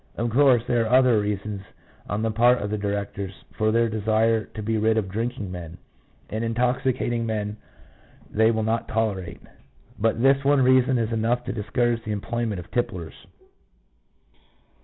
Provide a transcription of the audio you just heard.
Of course there are other reasons on the part of the directors for their desire to be rid of drinking men, and intoxicated men they will not tolerate; but this one reason is enough to discourage the employment of tipplers.